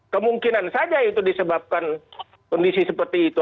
kemungkinan saja itu disebabkan kondisi seperti itu